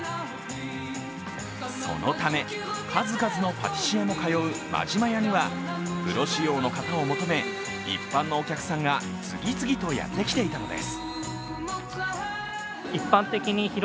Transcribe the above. そのため、数々のパティシエも通う馬嶋屋にはプロ仕様の型を求め、一般のお客さんが次々とやってきていたのです。